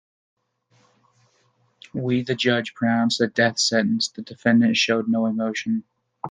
When the judge pronounced the death sentence, the defendant showed no emotion.